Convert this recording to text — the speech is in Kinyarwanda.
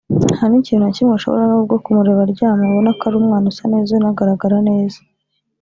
nta n’ikintu na kimwe ashobora n’ubwo kumureba aryama ubona ko ari umwana usa neza unagaragara neza